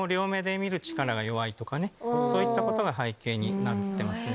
そういったことが背景になってますね。